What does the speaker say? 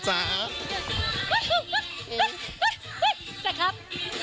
จริงครับ